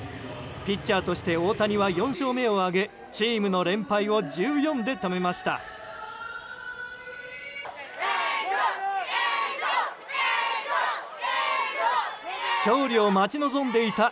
ピッチャーとして大谷は４勝目を挙げチームの連敗を１４で止めました。